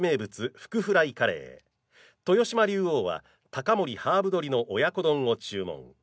ふくフライカレー豊島竜王は高森ハーブ鶏の親子丼を注文。